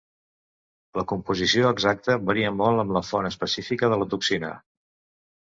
La composició exacta varia molt amb la font específica de la toxina.